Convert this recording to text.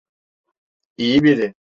İyi biri.